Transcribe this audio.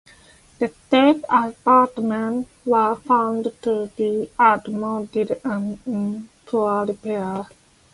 The state apartments were found to be outmoded and in poor repair.